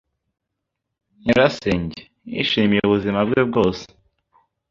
Nyirasenge yishimiye ubuzima bwe bwose.